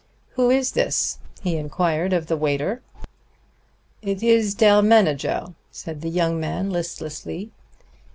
"Who is this?" he inquired of the waiter. "Id is der manager," said the young man listlessly.